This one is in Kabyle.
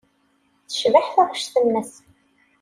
Tecbeḥ taɣect-nnes.